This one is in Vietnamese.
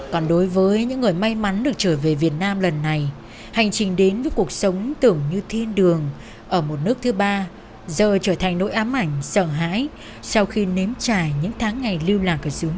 còn đối với những người may mắn được trở về việt nam lần này hành trình đến với cuộc sống tưởng như thiên đường ở một nước thứ ba giờ trở thành nỗi ám ảnh sợ hãi sau khi nếm trải những tháng ngày lưu lạc ở sứ mạng